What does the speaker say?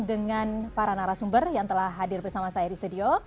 dengan para narasumber yang telah hadir bersama saya di studio